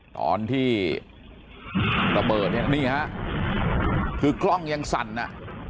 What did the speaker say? ตอนที่ระเบิดเนี่ยนี่ฮะคือกล้องยังสั่นอ่ะ